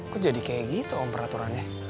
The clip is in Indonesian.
kok jadi kayak gitu om peraturannya